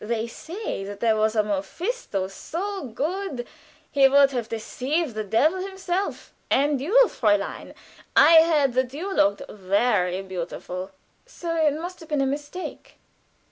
They say there was a Mephisto so good he would have deceived the devil himself. And you, Fräulein I heard that you looked very beautiful." "So! It must have been a mistake."